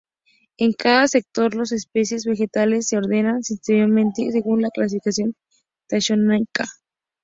En cada sector los especímenes vegetales se ordenan sistemáticamente, según la clasificación taxonómica.